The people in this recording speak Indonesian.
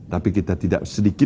tapi kita tidak sedikit